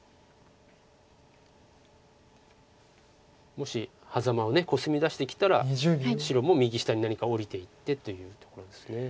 もしハザマをコスミ出してきたら白も右下に何か下りていってというところです。